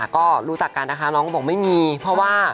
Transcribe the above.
ก็รู้จักกันนะคะน้องก็บอกไม่มีเพราะว่า